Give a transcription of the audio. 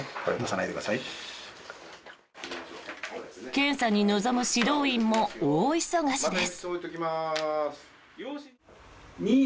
検査に臨む指導員も大忙しです。